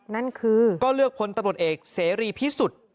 นั่นคือก็เลือกพลตำรวจเอกเสรีพิสุทธิ์